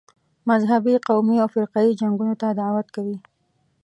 مذهبي، قومي او فرقه یي جنګونو ته دعوت کوي.